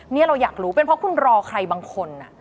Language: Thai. นี่เราอยากรู้เป็นเพราะคุณรอใครบางคน